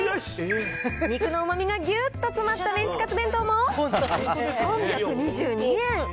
肉のうまみがぎゅっと詰まったメンチカツ弁当も３２２円。